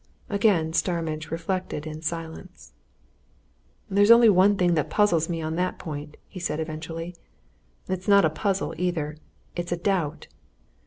Again Starmidge reflected in silence. "There's only one thing puzzles me on that point," he said eventually. "It's not a puzzle, either it's a doubt.